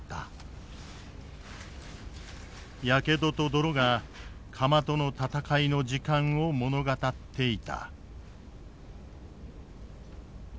やけどと泥が釜との闘いの時間を物語っていた。